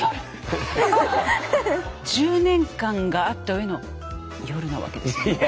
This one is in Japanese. １０年間があったうえの夜なわけですよね。